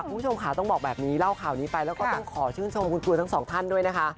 คุณผู้ชมขาต้องเล่าข่าวนี้ก็ต้องขอชื่นชมของมรูปทั้ง๒ท่านด้วย